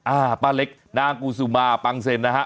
อ่าป้าเล็กนางกูซูมาปังเซ็นนะฮะ